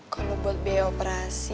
kalo buat biaya operasi